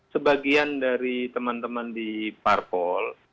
sebagian dari teman teman di parpol